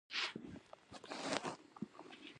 یو ډول ګډوډي حاکمه ده.